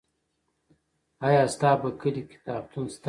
آیا ستا په کلي کې کتابتون شته؟